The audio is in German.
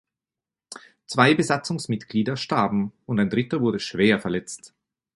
Zwei Besatzungsmitglieder starben und ein dritter wurde schwer verletzt.